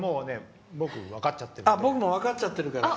僕、分かっちゃってるんで。